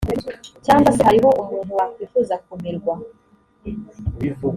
cyangwa se hariho umuntu wakwifuza kumirwa